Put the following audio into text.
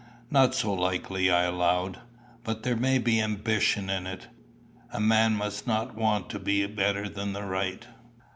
"Not so likely, I allow. But there may be ambition in it. A man must not want to be better than the right.